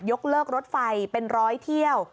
ยกเลิกรถไฟเป็นร้อยเที่ยว